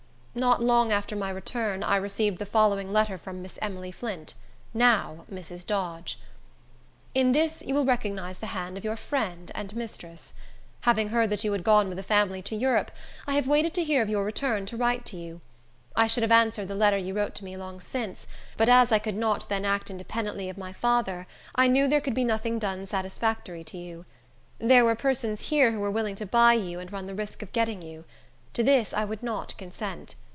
Not long after my return, I received the following letter from Miss Emily Flint, now Mrs. Dodge:— In this you will recognize the hand of your friend and mistress. Having heard that you had gone with a family to Europe, I have waited to hear of your return to write to you. I should have answered the letter you wrote to me long since, but as I could not then act independently of my father, I knew there could be nothing done satisfactory to you. There were persons here who were willing to buy you and run the risk of getting you. To this I would not consent.